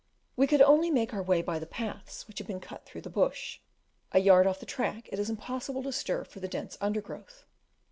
We could only make our way by the paths which have been cut through the Bush; a yard off the track it is impossible to stir for the dense undergrowth.